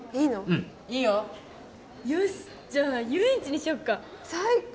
うんいいよよしっじゃあ遊園地にしよっか最高！